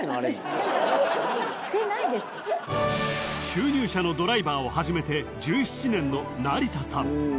［集乳車のドライバーを始めて１７年の成田さん］